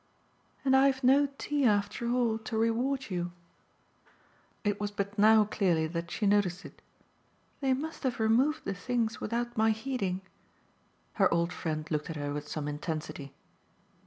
"And I've no tea, after all, to reward you!" It was but now clearly that she noticed it. "They must have removed the things without my heeding." Her old friend looked at her with some intensity.